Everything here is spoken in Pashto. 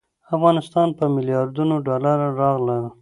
افغانستان ته په میلیاردونو ډالر راغلل.